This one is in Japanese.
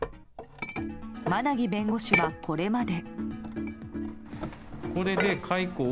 馬奈木弁護士はこれまで。